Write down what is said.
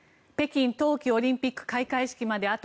北京冬季オリンピック開会式まで